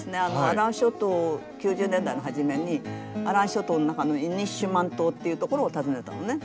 アラン諸島９０年代の初めにアラン諸島の中のイニシュマン島っていうところを訪ねたのね。